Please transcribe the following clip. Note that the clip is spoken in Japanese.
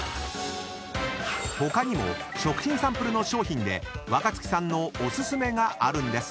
［他にも食品サンプルの商品で若槻さんのお薦めがあるんです］